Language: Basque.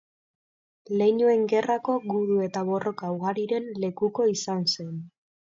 Leinuen Gerrako gudu eta borroka ugariren lekuko izan zen.